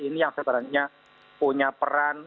ini yang sebenarnya punya peran